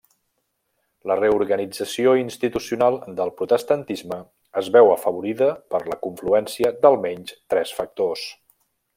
La reorganització institucional del protestantisme es veu afavorida per la confluència d'almenys tres factors.